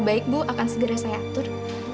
baik bu akan segera saya atur